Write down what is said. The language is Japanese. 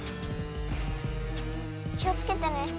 気をつけてね。